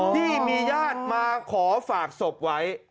ที่มีญาติมาขอฝากศพไว้